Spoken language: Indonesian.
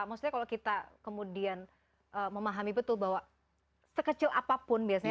maksudnya kalau kita kemudian memahami betul bahwa sekecil apapun biasanya